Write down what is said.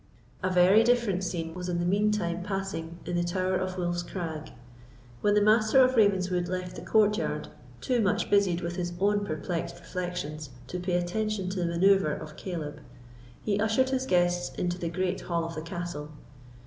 A very different scene was in the mean time passing in the Tower of Wolf's Crag. When the Master of Ravenswood left the courtyard, too much busied with his own perplexed reflections to pay attention to the manœuvre of Caleb, he ushered his guests into the great hall of the castle.